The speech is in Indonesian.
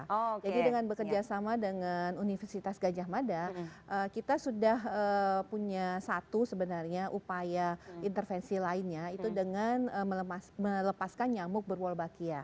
jadi dengan bekerjasama dengan universitas gajah mada kita sudah punya satu sebenarnya upaya intervensi lainnya itu dengan melepaskan nyamuk berwolbakia